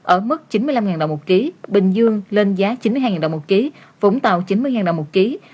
ở mức chín mươi năm ngàn đồng một ký bình dương lên giá chín mươi hai ngàn đồng một ký vũng tàu chín mươi ngàn đồng một ký